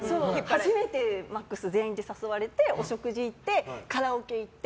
初めてＭＡＸ全員で誘われてお食事行って、カラオケ行って。